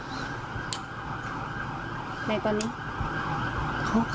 ไหนตอนนี้